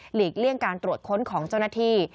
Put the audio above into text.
เลี่ยงการตรวจค้นของเจ้าหน้าที่